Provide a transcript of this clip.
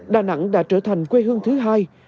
đà nẵng đã trở thành quê hương thứ hai